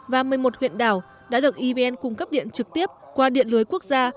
và một mươi một huyện đảo đã được evn cung cấp điện trực tiếp qua điện lưới quốc gia